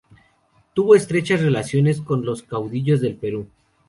Tuvo estrechas relaciones con los caudillos del Perú.